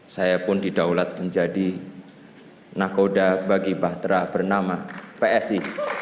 saya pun didaulat menjadi nakoda bagi bahtera bernama psi